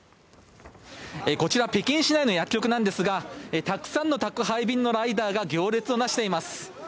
こちら北京市内の薬局なんですがたくさんの宅配便のライダーが行列をなしています。